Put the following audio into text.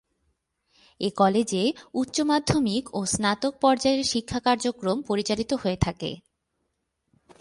এ কলেজে উচ্চমাধ্যমিক ও স্নাতক পর্যায়ের শিক্ষা কার্যক্রম পরিচালিত হয়ে থাকে।